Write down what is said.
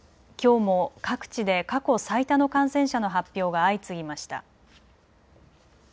きょうも各地で過去最多の感染者の発表が相次ぎました。